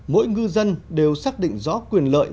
mỗi ngư dân đều xác định rõ quyền lợi